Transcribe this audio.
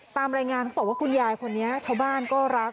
ตามรายงานเขาบอกว่าคุณยายคนนี้ชาวบ้านก็รัก